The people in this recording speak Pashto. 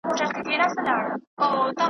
د حق مخ ته به دریږو څنګ پر څنګ به سره مله یو .